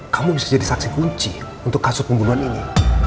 kamu bisa jadi saksi kunci untuk kasus pembunuhan ini